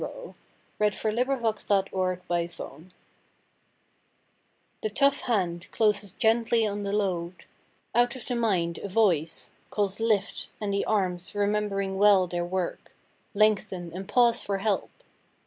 62 MAN CARRYING BALE r I ^HE tough hand closes gently on the load ; X Out of the mind, a voice Calls " Lift !" and the arms, remembering well their work, Lengthen and pause for help.